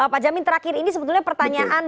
pak jamin terakhir ini sebetulnya pertanyaan